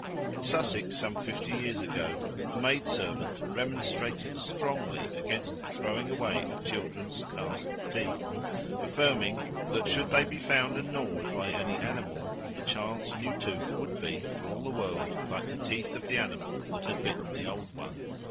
In Sussex some fifty years ago a maid servant remonstrated strongly against the throwing away of children's cast teeth, affirming that should they be found and gnawed by any animal, the child's new tooth would be, for all the world, like the teeth of the animal that had bitten the old one.